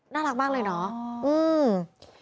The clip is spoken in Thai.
น่ารักมากเลยเนาะ